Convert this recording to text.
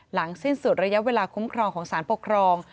หลังสิ้นสุดระยะเวลาคุ้มครองของสารปกครอง